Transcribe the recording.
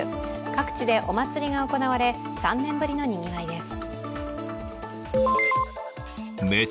各地でお祭りが行われ３年ぶりのにぎわいです。